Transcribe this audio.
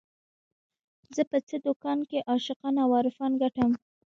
زه په څه دکان کې عاشقان او عارفان ګټم